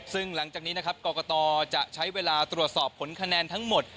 ซึ่งหลังจากนี้นะครับกรกตจะใช้เวลาตรวจสอบผลคะแนนทั้งหมด